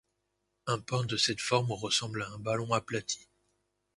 Un pain de cette forme ressemble à un ballon aplati.